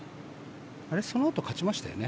そのあと勝ちましたよね？